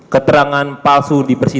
keterangan palsu di